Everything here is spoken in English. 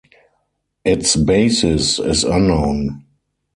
Its basis is unknown.